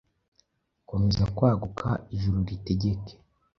Komeza kwaguka, Ijuru ritegeka;